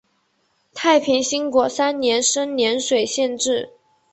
太平兴国三年升涟水县置。